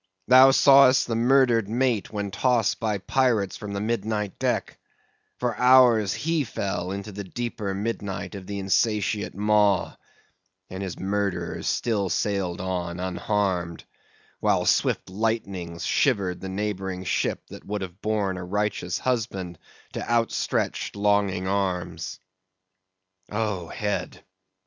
Thou saw'st the murdered mate when tossed by pirates from the midnight deck; for hours he fell into the deeper midnight of the insatiate maw; and his murderers still sailed on unharmed—while swift lightnings shivered the neighboring ship that would have borne a righteous husband to outstretched, longing arms. O head!